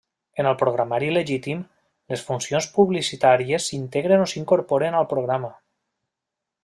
En el programari legítim, les funcions publicitàries s’integren o s’incorporen al programa.